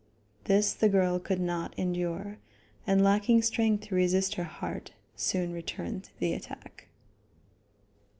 This the girl could not endure, and lacking strength to resist her heart, soon returned to the attack.